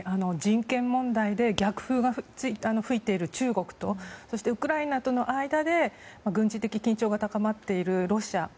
人権問題で逆風が吹いている中国とそしてウクライナとの間で軍事的緊張が高まっているロシア。